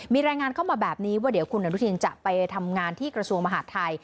มีรายงานเข้ามาแบบนี้ว่าเดี๋ยวคุณอนุทินจะไปทำงานที่กระทรวงมหาดไทย